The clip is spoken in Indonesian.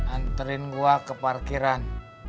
anterin gue ke parkiran